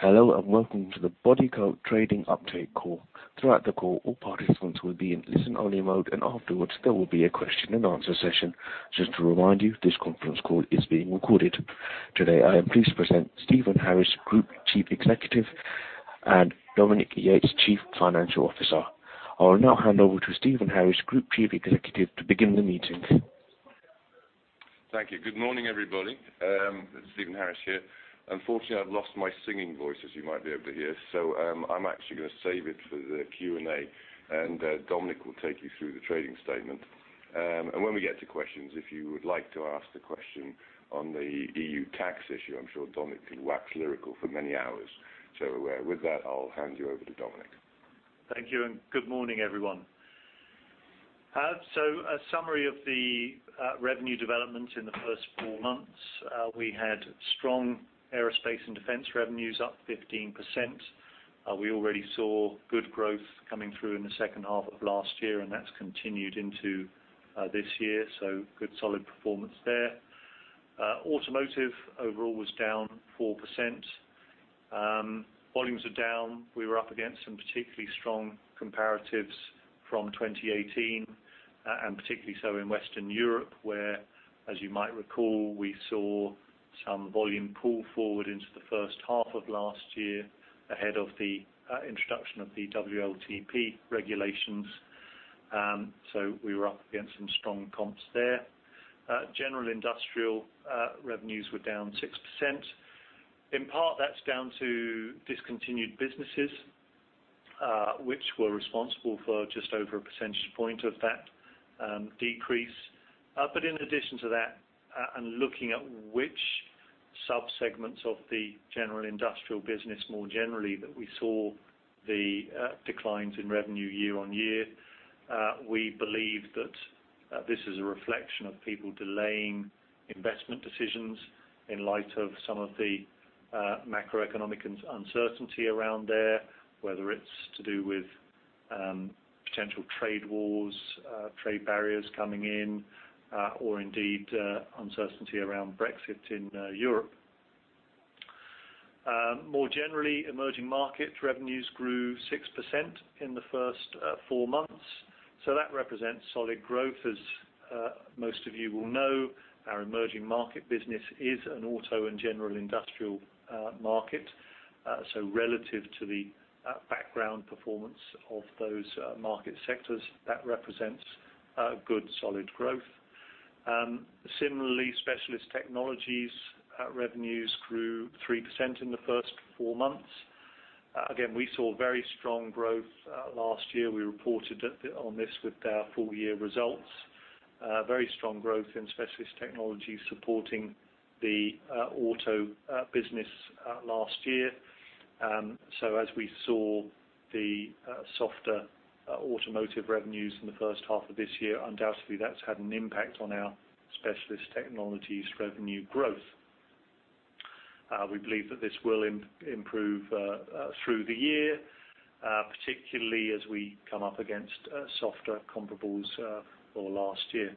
Hello and welcome to the Bodycote Trading Update Call. Throughout the call, all participants will be in listen-only mode, and afterwards there will be a question-and-answer session. Just to remind you, this conference call is being recorded. Today I am pleased to present Stephen Harris, Group Chief Executive, and Dominique Yates, Chief Financial Officer. I will now hand over to Stephen Harris, Group Chief Executive, to begin the meeting. Thank you. Good morning, everybody. Stephen Harris here. Unfortunately, I've lost my singing voice, as you might be able to hear, so, I'm actually going to save it for the Q&A, and, Dominique will take you through the trading statement. And when we get to questions, if you would like to ask a question on the EU tax issue, I'm sure Dominique can wax lyrical for many hours. So, with that, I'll hand you over to Dominique. Thank you, and good morning, everyone. So, a summary of the revenue developments in the first four months. We had strong Aerospace and Defense revenues up 15%. We already saw good growth coming through in the second half of last year, and that's continued into this year, so good solid performance there. Automotive overall was down 4%. Volumes are down. We were up against some particularly strong comparatives from 2018, and particularly so in Western Europe, where, as you might recall, we saw some volume pull forward into the first half of last year ahead of the introduction of the WLTP regulations. So we were up against some strong comps there. General Industrial revenues were down 6%. In part, that's down to discontinued businesses, which were responsible for just over a percentage point of that decrease. but in addition to that, and looking at which subsegments of the General Industrial business more generally that we saw the declines in revenue year-on-year, we believe that this is a reflection of people delaying investment decisions in light of some of the macroeconomic uncertainty around there, whether it's to do with potential trade wars, trade barriers coming in, or indeed uncertainty around Brexit in Europe more generally. Emerging market revenues grew 6% in the first four months, so that represents solid growth, as most of you will know. Our emerging market business is an Auto and General Industrial market, so relative to the background performance of those market sectors, that represents good solid growth. Similarly, Specialist Technologies revenues grew 3% in the first four months. Again, we saw very strong growth last year. We reported on this with our full-year results. Very strong growth in Specialist Technologies supporting the auto business last year. So as we saw the softer automotive revenues in the first half of this year, undoubtedly that's had an impact on our Specialist Technologies revenue growth. We believe that this will improve through the year, particularly as we come up against softer comparables for last year.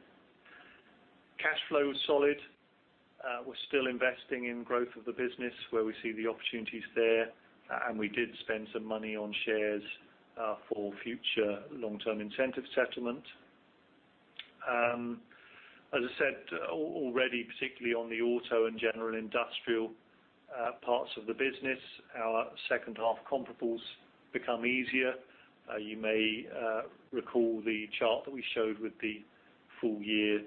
Cash flow was solid. We're still investing in growth of the business, where we see the opportunities there, and we did spend some money on shares for future long-term incentive settlement. As I said already, particularly on the Auto and General Industrial parts of the business, our second-half comparables become easier. You may recall the chart that we showed with the full-year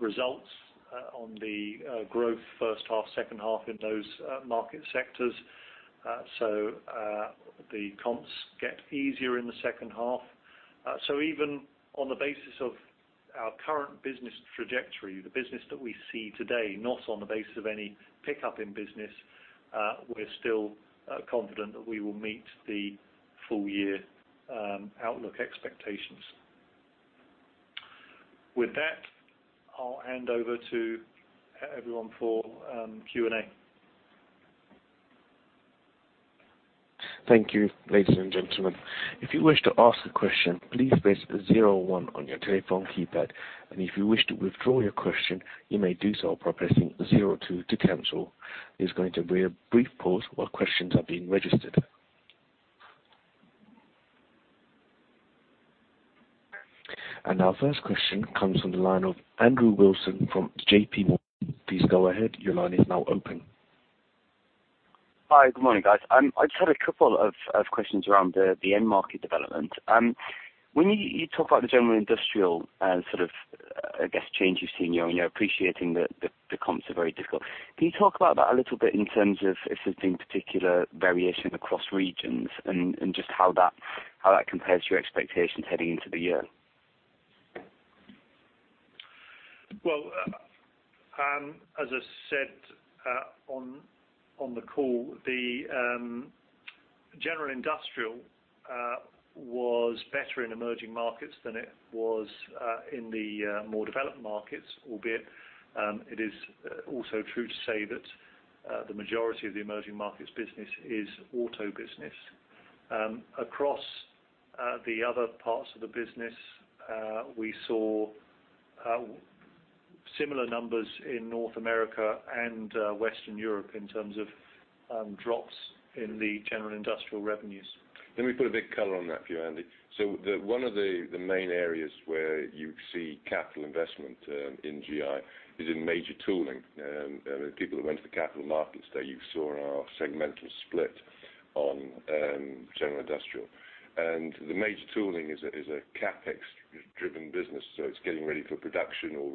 results on the growth first half, second half in those market sectors. So, the comps get easier in the second half. So even on the basis of our current business trajectory, the business that we see today, not on the basis of any pickup in business, we're still confident that we will meet the full-year outlook expectations. With that, I'll hand over to everyone for Q&A. Thank you, ladies and gentlemen. If you wish to ask a question, please press zero one on your telephone keypad, and if you wish to withdraw your question, you may do so by pressing zero two to cancel. There's going to be a brief pause while questions are being registered. Our first question comes from the line of Andrew Wilson from JPMorgan. Please go ahead. Your line is now open. Hi. Good morning, guys. I just had a couple of questions around the end market development. When you talk about the General Industrial, sort of, I guess, change you've seen, you're appreciating that the comps are very difficult. Can you talk about that a little bit in terms of if there's been particular variation across regions and just how that compares to your expectations heading into the year? Well, as I said, on the call, the General Industrial was better in emerging markets than it was in the more developed markets, albeit it is also true to say that the majority of the emerging markets business is auto business. Across the other parts of the business, we saw similar numbers in North America and Western Europe in terms of drops in the General Industrial revenues. Let me put a big color on that for you, Andy. So one of the main areas where you see capital investment in GI is in major tooling. The people that went to the capital markets there, you saw our segmental split on general industrial. And the major tooling is a CapEx-driven business, so it's getting ready for production or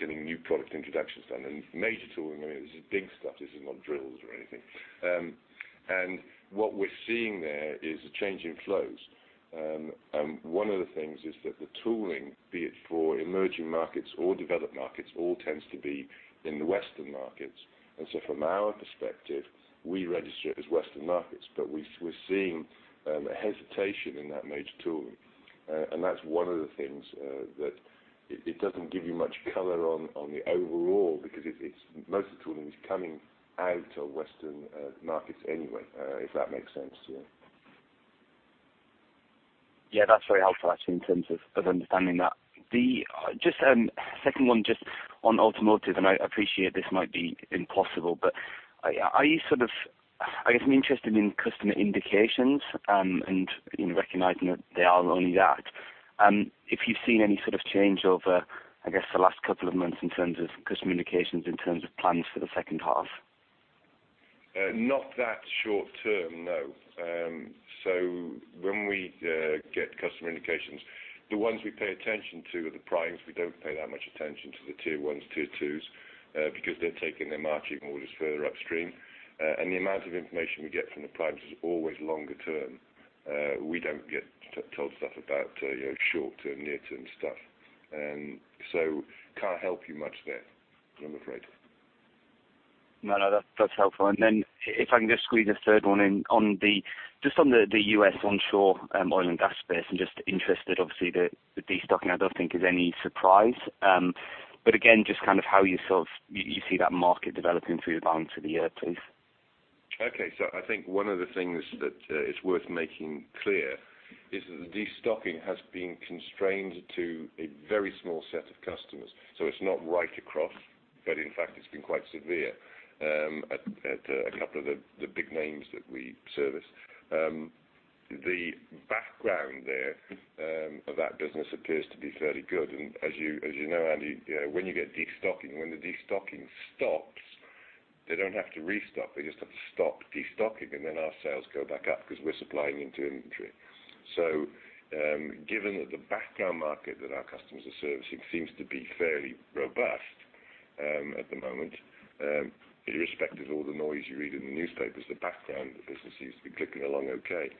getting new product introductions done. And major tooling I mean, this is big stuff. This is not drills or anything. And what we're seeing there is a change in flows. One of the things is that the tooling, be it for emerging markets or developed markets, all tends to be in the Western markets. And so from our perspective, we register it as Western markets, but we're seeing a hesitation in that major tooling. That's one of the things that it doesn't give you much color on the overall because it's most of the tooling is coming out of Western markets anyway, if that makes sense to you. Yeah. That's very helpful, actually, in terms of understanding that. Just the second one, just on automotive, and I appreciate this might be impossible, but are you sort of—I guess I'm interested in customer indications, and you know, recognizing that they are only that. If you've seen any sort of change over, I guess, the last couple of months in terms of customer indications, in terms of plans for the second half? Not that short-term, no. So when we get customer indications, the ones we pay attention to are the Primes. We don't pay that much attention to the Tier ones, Tier twos, because they're taking their marching orders further upstream. And the amount of information we get from the Primes is always longer-term. We don't get told stuff about, you know, short-term, near-term stuff. And so can't help you much there, I'm afraid. No, no. That's, that's helpful. And then if I can just squeeze a third one in on just on the U.S. onshore oil and gas space and just interested, obviously, the destocking I don't think is any surprise. But again, just kind of how you sort of see that market developing through the balance of the year, please? Okay. So I think one of the things that, it's worth making clear is that the destocking has been constrained to a very small set of customers. So it's not right across, but in fact, it's been quite severe at a couple of the big names that we service. The background there of that business appears to be fairly good. And as you know, Andy, you know, when you get destocking, when the destocking stops, they don't have to restock. They just have to stop destocking, and then our sales go back up because we're supplying into inventory. So, given that the background market that our customers are servicing seems to be fairly robust at the moment, irrespective of all the noise you read in the newspapers, the background business seems to be clicking along okay.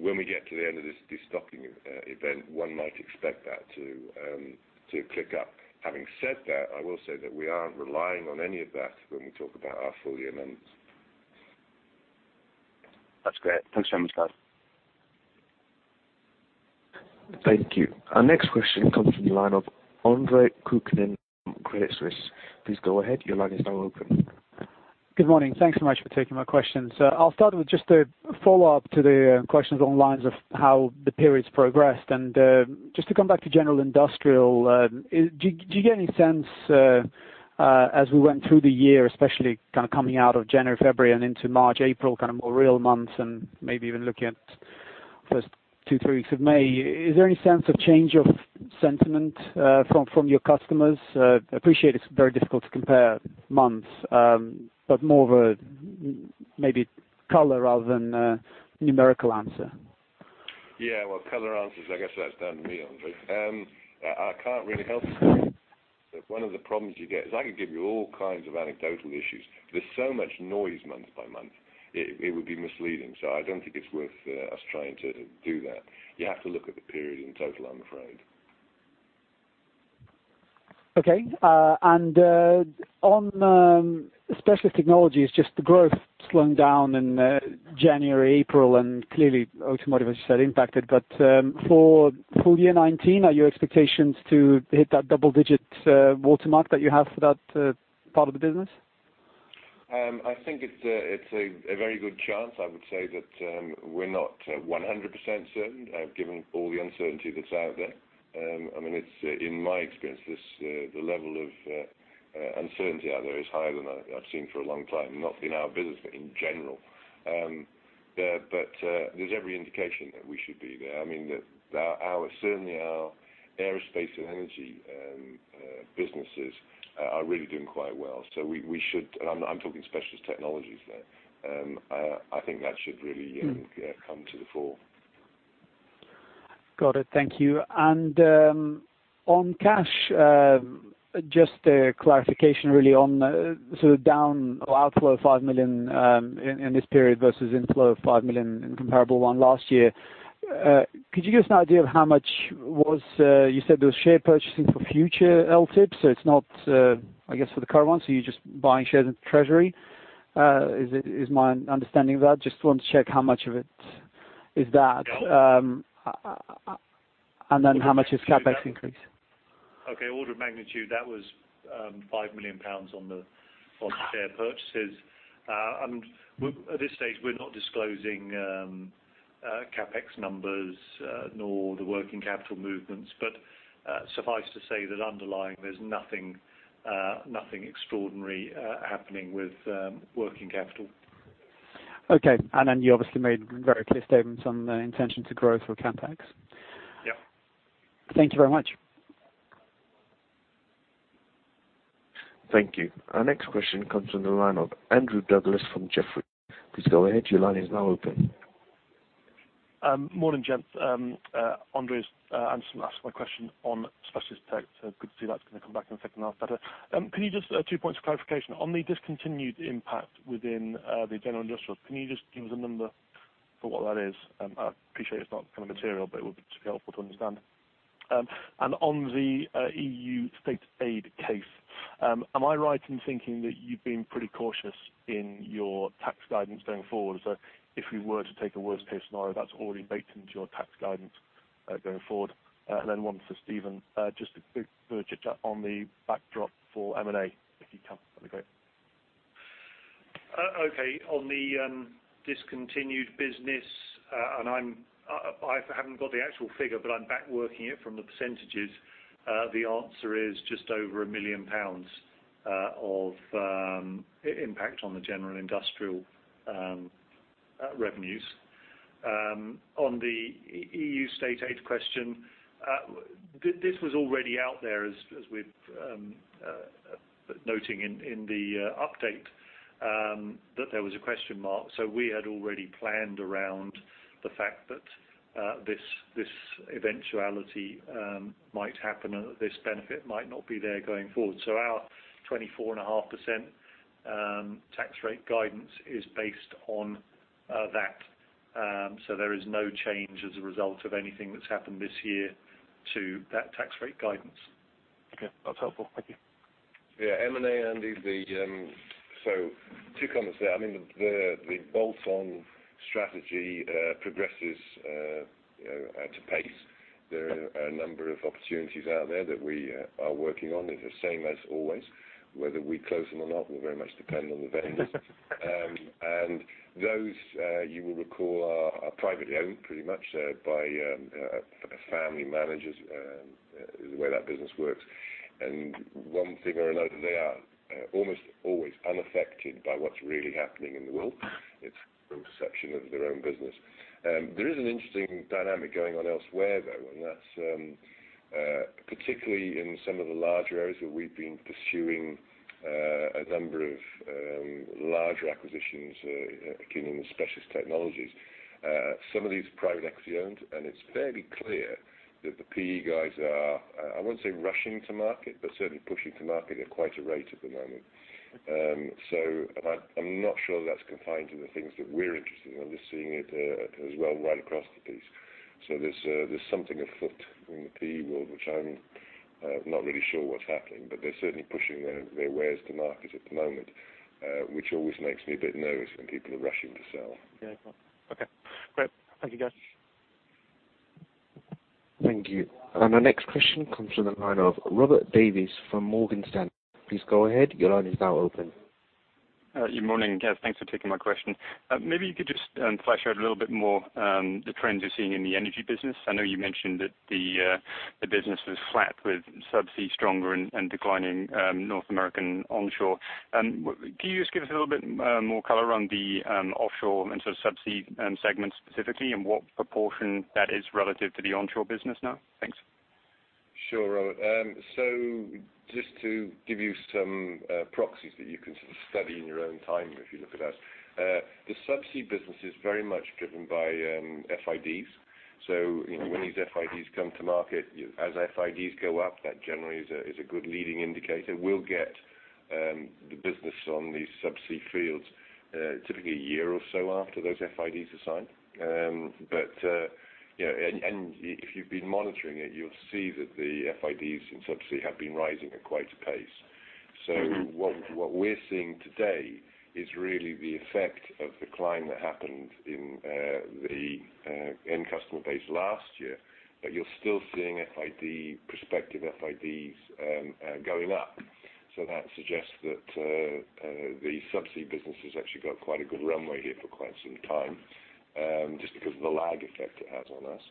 When we get to the end of this destocking event, one might expect that to click up. Having said that, I will say that we aren't relying on any of that when we talk about our full-year numbers. That's great. Thanks very much, guys. Thank you. Our next question comes from the line of Andre Kukhnin from Credit Suisse. Please go ahead. Your line is now open. Good morning. Thanks so much for taking my questions. I'll start with just a follow-up to the questions online as to how the period's progressed. And just to come back to General Industrial, do you get any sense, as we went through the year, especially kind of coming out of January, February, and into March, April, kind of more real months and maybe even looking at first two, three weeks of May, is there any sense of change of sentiment from your customers? Appreciate it's very difficult to compare months, but more of a maybe color rather than a numerical answer. Yeah. Well, color answers, I guess that's down to me, Andre. I can't really help you. One of the problems you get is I could give you all kinds of anecdotal issues. There's so much noise month by month, it would be misleading. So I don't think it's worth us trying to do that. You have to look at the period in total, I'm afraid. Okay. And on Specialist Technologies, just the growth slowing down in January-April, and clearly Automotive, as you said, impacted. But for full-year 2019, are your expectations to hit that double-digit watermark that you have for that part of the business? I think it's a very good chance, I would say, that we're not 100% certain, given all the uncertainty that's out there. I mean, it's, in my experience, the level of uncertainty out there is higher than I've seen for a long time, not in our business but in general. But there's every indication that we should be there. I mean, that our certainly our Aerospace and Energy businesses are really doing quite well. So we should, and I'm not. I'm talking specialist technologies there. I think that should really come to the fore. Got it. Thank you. And, on cash, just a clarification, really, on, so down or outflow of 5 million, in, in this period versus inflow of 5 million in comparable one last year. Could you give us an idea of how much was, you said there was share purchasing for future LTIPs, so it's not, I guess for the current ones, so you're just buying shares in Treasury. Is it is my understanding of that? Just wanted to check how much of it is that. And then how much is CapEx increase? Okay. Order of magnitude, that was 5 million pounds on the share purchases. And we're at this stage; we're not disclosing CapEx numbers nor the working capital movements, but suffice to say that underlying, there's nothing extraordinary happening with working capital. Okay. And you obviously made very clear statements on the intention to grow through CapEx. Yep. Thank you very much. Thank you. Our next question comes from the line of Andrew Douglas from Jefferies. Please go ahead. Your line is now open. Morning, gents. Andre has asked my question on specialist tech, so good to see that's going to come back in a second half better. Can you just two points of clarification? On the discontinued impact within the General Industrial, can you just give us a number for what that is? I appreciate it's not kind of material, but it would just be helpful to understand. And on the EU State Aid case, am I right in thinking that you've been pretty cautious in your tax guidance going forward? So if we were to take a worst-case scenario, that's already baked into your tax guidance, going forward. And then one for Stephen, just a quick very chit-chat on the backdrop for M&A, if you can. That'd be great. Okay. On the discontinued business, and I haven't got the actual figure, but I'm backworking it from the percentages, the answer is just over 1 million pounds of impact on the General Industrial revenues. On the EU State Aid question, this was already out there as we've noted in the update that there was a question mark. So we had already planned around the fact that this eventuality might happen and that this benefit might not be there going forward. So our 24.5% tax rate guidance is based on that. So there is no change as a result of anything that's happened this year to that tax rate guidance. Okay. That's helpful. Thank you. Yeah. M&A, Andy, so two comments there. I mean, the bolt-on strategy progresses, you know, to pace. There are a number of opportunities out there that we are working on. It's the same as always. Whether we close them or not will very much depend on the vendors. And those, you will recall, are privately owned pretty much by family managers. That's the way that business works. And one thing or another, they are almost always unaffected by what's really happening in the world. It's their own perception of their own business. There is an interesting dynamic going on elsewhere, though, and that's particularly in some of the larger areas where we've been pursuing a number of larger acquisitions akin in the Specialist Technologies. Some of these are private equity-owned, and it's fairly clear that the PE guys are, I won't say rushing to market, but certainly pushing to market at quite a rate at the moment. So I'm, I'm not sure that that's confined to the things that we're interested in. I'm just seeing it, as well right across the piece. So there's, there's something afoot in the PE world, which I'm, not really sure what's happening, but they're certainly pushing their, their wares to market at the moment, which always makes me a bit nervous when people are rushing to sell. Yeah. Okay. Great. Thank you, guys. Thank you. And our next question comes from the line of Robert Davies from Morgan Stanley. Please go ahead. Your line is now open. Good morning, guys. Thanks for taking my question. Maybe you could just flesh out a little bit more the trends you're seeing in the energy business. I know you mentioned that the business was flat with Subsea stronger and declining North American onshore. Can you just give us a little bit more color on the offshore and sort of Subsea segments specifically and what proportion that is relative to the onshore business now? Thanks. Sure, Robert. So just to give you some proxies that you can sort of study in your own time, if you look at that, the Subsea business is very much driven by FIDs. So, you know, when these FIDs come to market, you see FIDs go up, that generally is a good leading indicator. We'll get the business on these subsea fields typically a year or so after those FIDs are signed. But, you know, and if you've been monitoring it, you'll see that the FIDs in subsea have been rising at quite a pace. So what we're seeing today is really the effect of the climb that happened in the end customer base last year, but you're still seeing prospective FIDs going up. So that suggests that the Subsea business has actually got quite a good runway here for quite some time, just because of the lag effect it has on us.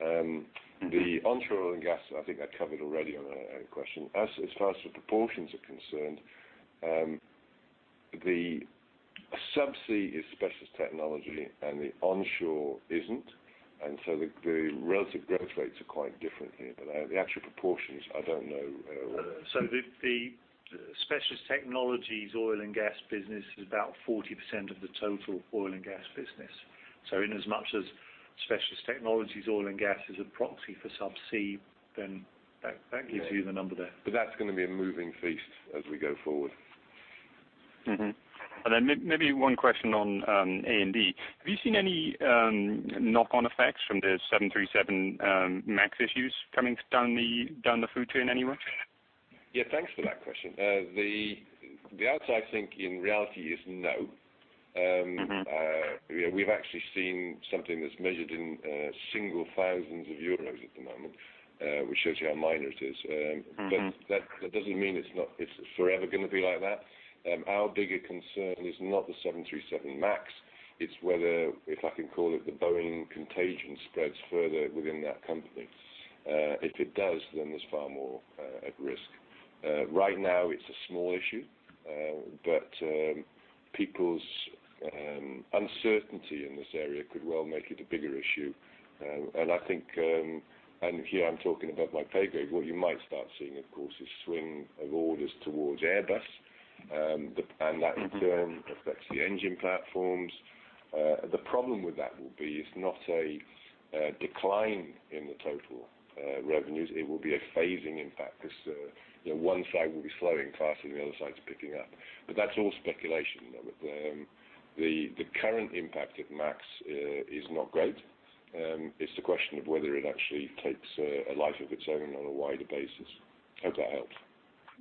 The onshore oil and gas, I think I covered already on a question. As far as the proportions are concerned, the subsea is specialist technology and the onshore isn't. And so the relative growth rates are quite different here, but I, the actual proportions, I don't know. So the Specialist Technologies oil and gas business is about 40% of the total oil and gas business. So in as much as Specialist Technologies oil and gas is a proxy for Subsea, then that gives you the number there. Yeah. But that's going to be a moving feast as we go forward. Mm-hmm. And then maybe one question on A&D. Have you seen any knock-on effects from the 737 MAX issues coming down the food chain anywhere? Yeah. Thanks for that question. The answer, I think, in reality is no. Mm-hmm. You know, we've actually seen something that's measured in single thousands of Euros at the moment, which shows you how minor it is. But that doesn't mean it's not forever going to be like that. Our bigger concern is not the 737 MAX. It's whether, if I can call it, the Boeing contagion spreads further within that company. If it does, then there's far more at risk. Right now, it's a small issue, but people's uncertainty in this area could well make it a bigger issue. And I think, and here, I'm talking above my pay grade. What you might start seeing, of course, is a swing of orders towards Airbus, and that, in turn, affects the engine platforms. The problem with that will be it's not a decline in the total revenues. It will be a phasing impact because, you know, one side will be slowing faster than the other side's picking up. But that's all speculation, Robert. The current impact of MAX is not great. It's a question of whether it actually takes a life of its own on a wider basis. Hope that helps.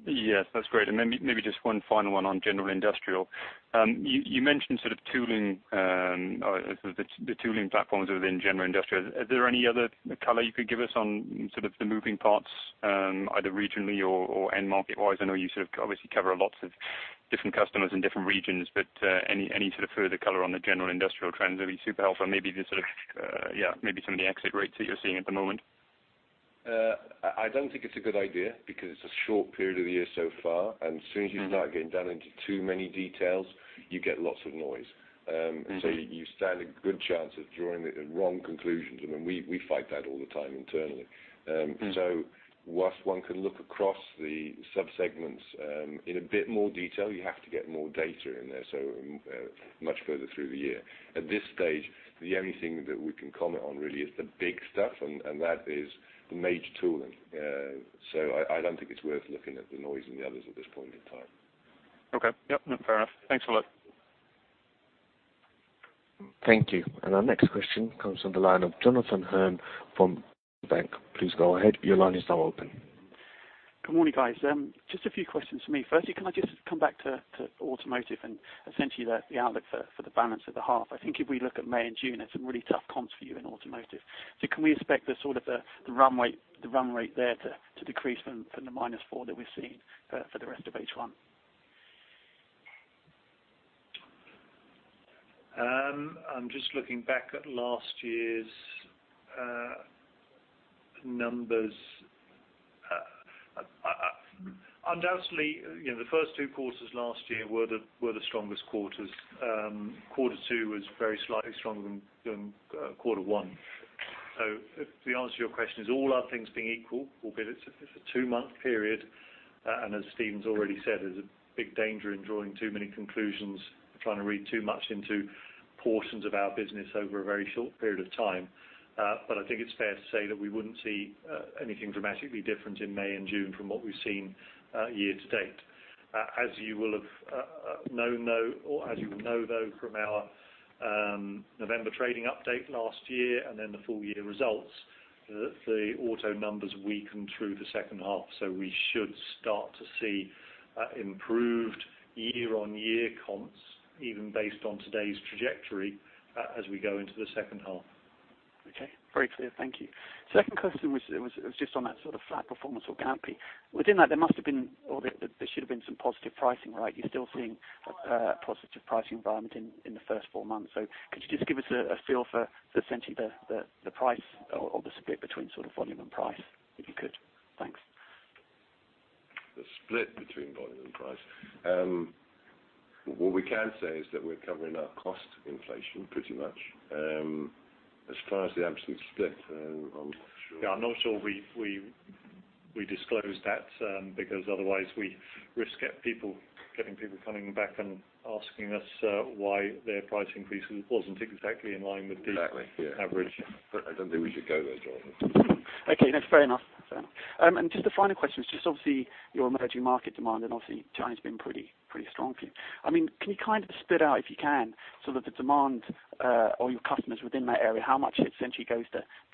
Yes. That's great. And maybe, maybe just one final one on General Industrial. You, you mentioned sort of tooling, or sort of the, the tooling platforms within General Industrial. Is there any other color you could give us on sort of the moving parts, either regionally or, or end market-wise? I know you sort of obviously cover a lot of different customers in different regions, but, any, any sort of further color on the General Industrial trends would be super helpful. Maybe the sort of, yeah, maybe some of the exit rates that you're seeing at the moment. I don't think it's a good idea because it's a short period of the year so far. As soon as you start getting down into too many details, you get lots of noise. So you stand a good chance of drawing the wrong conclusions. I mean, we fight that all the time internally. So while one can look across the subsegments in a bit more detail, you have to get more data in there, so much further through the year. At this stage, the only thing that we can comment on really is the big stuff, and that is the major tooling. So I don't think it's worth looking at the noise and the others at this point in time. Okay. Yep. Fair enough. Thanks a lot. Thank you. Our next question comes from the line of Jonathan Hurn from Barclays. Please go ahead. Your line is now open. Good morning, guys. Just a few questions for me. Firstly, can I just come back to automotive and essentially the outlook for the balance of the half? I think if we look at May and June, there's some really tough comps for you in automotive. So can we expect the run rate there to decrease from the -4 that we've seen for the rest of H1? I'm just looking back at last year's numbers. I undoubtedly, you know, the first two quarters last year were the strongest quarters. Quarter two was very slightly stronger than quarter one. So if the answer to your question is all other things being equal, albeit it's a two-month period, and as Stephen's already said, there's a big danger in drawing too many conclusions, trying to read too much into portions of our business over a very short period of time. But I think it's fair to say that we wouldn't see anything dramatically different in May and June from what we've seen year to date. As you will have known, though or as you will know, though, from our November trading update last year and then the full-year results, the auto numbers weakened through the second half. We should start to see improved year-on-year comps, even based on today's trajectory, as we go into the second half. Okay. Very clear. Thank you. Second question was just on that sort of flat performance or gapy. Within that, there must have been or there should have been some positive pricing, right? You're still seeing a positive pricing environment in the first four months. So could you just give us a feel for essentially the price or the split between sort of volume and price, if you could? Thanks. The split between volume and price. What we can say is that we're covering our cost inflation pretty much. As far as the absolute split, I'm not sure. Yeah. I'm not sure we disclose that, because otherwise, we risk at people getting people coming back and asking us, why their price increase wasn't exactly in line with the. Exactly. Yeah. Average. But I don't think we should go there, Jonathan. Okay. No. Fair enough. Fair enough. Just the final question is just obviously your emerging market demand, and obviously, China's been pretty, pretty strong for you. I mean, can you kind of spit out, if you can, sort of the demand, or your customers within that area, how much it essentially goes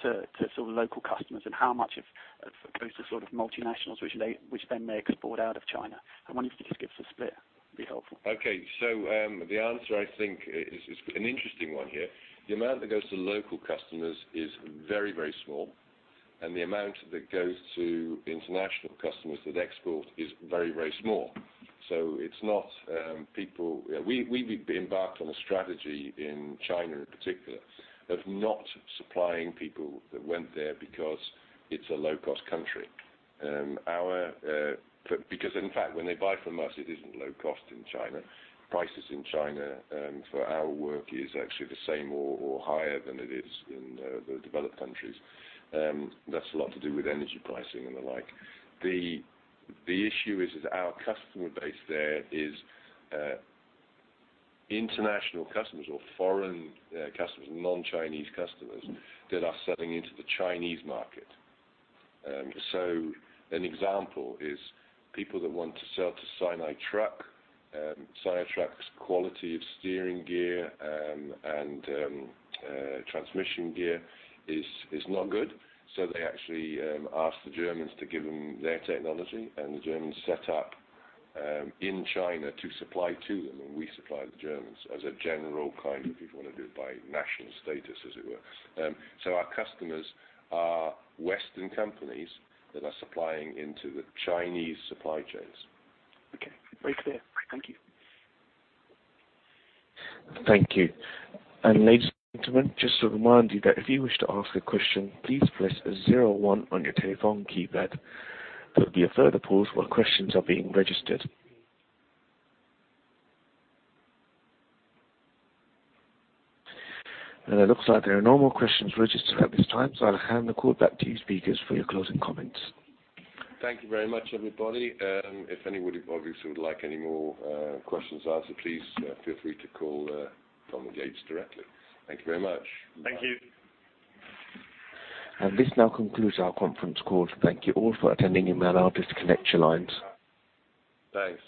to sort of local customers and how much of it goes to sort of multinationals, which then may export out of China? I wonder if you could just give us a split. It'd be helpful. Okay. So, the answer, I think, is an interesting one here. The amount that goes to local customers is very, very small, and the amount that goes to international customers that export is very, very small. So it's not, people you know, we, we've embarked on a strategy in China in particular of not supplying people that went there because it's a low-cost country because, in fact, when they buy from us, it isn't low-cost in China. Prices in China, for our work is actually the same or higher than it is in the developed countries. That's a lot to do with energy pricing and the like. The issue is our customer base there is international customers or foreign customers, non-Chinese customers that are selling into the Chinese market. So an example is people that want to sell to SINOTRUK. SINOTRUK's quality of steering gear and transmission gear is not good. So they actually ask the Germans to give them their technology, and the Germans set up in China to supply to them. And we supply the Germans as a general kind of if you want to do it by national status, as it were. So our customers are Western companies that are supplying into the Chinese supply chains. Okay. Very clear. Thank you. Thank you. Ladies and gentlemen, just to remind you that if you wish to ask a question, please press one on your telephone keypad. There'll be a further pause while questions are being registered. It looks like there are no more questions registered at this time, so I'll hand the call back to you, speakers, for your closing comments. Thank you very much, everybody. If anyone obviously would like any more questions answered, please feel free to call Dominique Yates directly. Thank you very much. Thank you. This now concludes our conference call. Thank you all for attending. You may now disconnect your lines. Thanks.